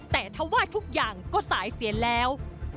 แต่ถ้าว่าทุกอย่างก็สายเสียแล้ว